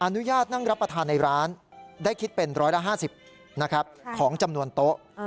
นั่งรับประทานในร้านได้คิดเป็นร้อยละ๕๐ของจำนวนโต๊ะ